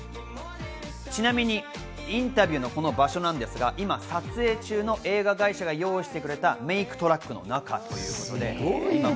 ちなみにインタビューのこの場所なんですが、今撮影中の映画会社が用意してくれたメイクトラックの中ということです。